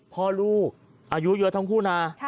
พ่อลูกอายุเยอะทั้งคู่นะ